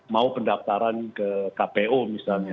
mau pendaftaran ke kpu misalnya